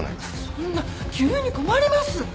そんな急に困ります！